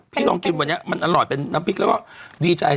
ลองกินวันนี้มันอร่อยเป็นน้ำพริกแล้วก็ดีใจ